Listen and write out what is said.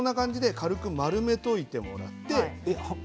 軽く丸めておいていただいて。